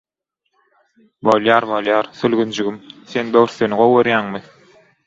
– Bolýar, bolýar, Sülgünjigim, sen böwürsleni gowy görýäňmi?